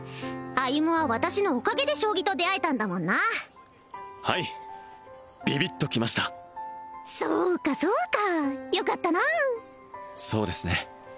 歩は私のおかげで将棋と出会えたんだもんなはいビビッときましたそうかそうかよかったなそうですね